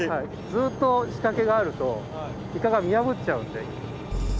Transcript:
ずっと仕掛けがあるとイカが見破っちゃうんで。